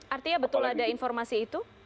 artinya betul ada informasi itu